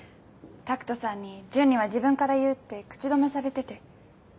拓人さんに純には自分から言うって口止めされてて。